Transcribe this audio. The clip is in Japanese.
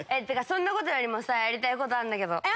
てかそんなことよりもさやりたいことあんだけど。